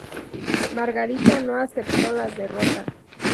Margarita no aceptó la derrota.